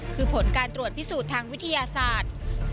คือผลการตรวจพิสูจน์ทางวิทยาศาสตร์